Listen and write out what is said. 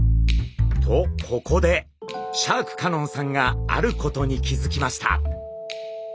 とここでシャーク香音さんがあることに気づきました。